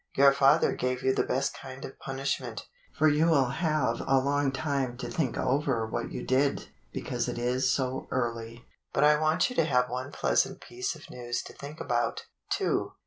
"Your father gave you the best kind of punish ment, for you will have a long time to think over what you did, because it is so early. But I want you to have one pleasant piece of news to think about, too.